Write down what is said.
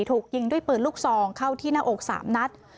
ถูกยิงด้วยปืนลูกซองเข้าที่หน้าอก๓นัด